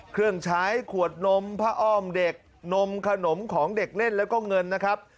เครื่องใช้ขวดนมผ้าอ้อมเด็กนมขนมของเด็กเล่นแล้วก็เงินนะครับ